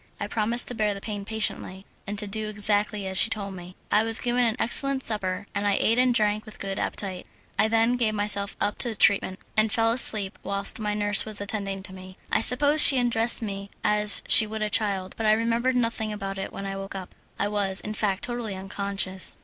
I promised to bear the pain patiently, and to do exactly as she told me. I was given an excellent supper, and I ate and drank with good appetite. I then gave myself up to treatment, and fell asleep whilst my nurse was attending to me. I suppose she undressed me as she would a child, but I remembered nothing about it when I woke up I was, in fact, totally unconscious.